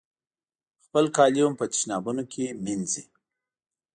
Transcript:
خپل کالي هم په تشنابونو کې وینځي.